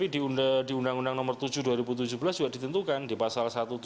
di undang undang nomor tujuh dua ribu tujuh belas juga ditentukan di pasal satu ratus tujuh puluh